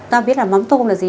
ta biết là mắm tôm là gì